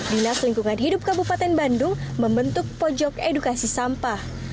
dinas lingkungan hidup kabupaten bandung membentuk pojok edukasi sampah